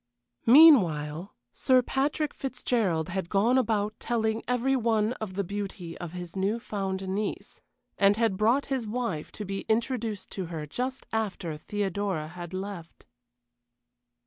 Meanwhile, Sir Patrick Fitzgerald had gone about telling every one of the beauty of his new found niece, and had brought his wife to be introduced to her just after Theodora had left.